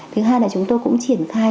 thứ hai là chúng tôi cũng triển khai